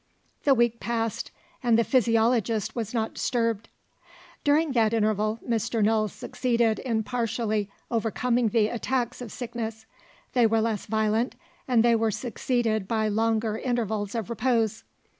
The week passed and the physiologist was not disturbed. During that interval, Mr. Null succeeded in partially overcoming the attacks of sickness: they were less violent, and they were succeeded by longer intervals of repose.